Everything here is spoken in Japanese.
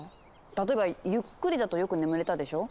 例えばゆっくりだとよく眠れたでしょ。